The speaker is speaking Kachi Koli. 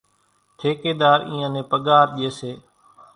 ٺيڪيۮار اينيان نين پڳار ڄيَ سي۔